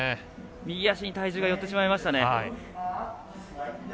右足に体重が寄ってしまいました。